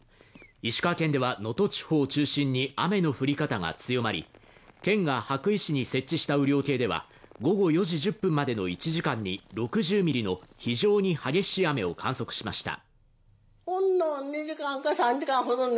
石川県では能登地方を中心に雨の降り方が強まり県が羽咋市に設置した雨量計では午後４時１０分までの１時間に６０ミリの非常に激しい雨を観測しました。